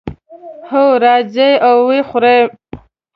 هو، راځئ او وخورئ